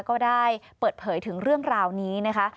ก็ได้เปิดเผยถึงเรื่องราวนี้นะคะ